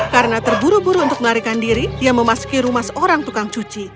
karena terburu buru untuk melarikan diri dia memasuki rumah seorang tukang cuci